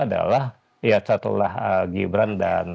adalah ya setelah gibran dan